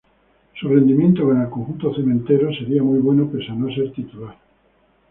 Su rendimiento con el conjunto "cementero" sería muy bueno, pese a no ser titular.